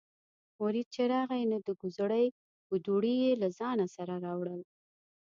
مرید چې راغی نو د کوزړۍ کودوړي یې له ځانه سره راوړل.